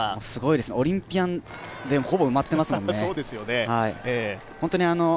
すごいですね、オリンピアンでほぼ埋まってますもんね。